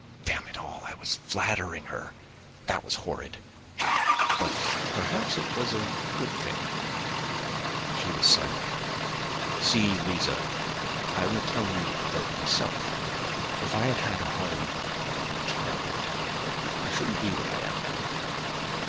Damn it all, I was flattering her. That was horrid. But perhaps it was a good thing.... She was silent. "See, Liza, I will tell you about myself. If I had had a home from childhood, I shouldn't be what I am now.